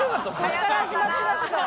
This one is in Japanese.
ここから始まってますから。